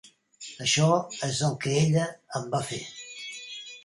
Això és el que ella em va fer.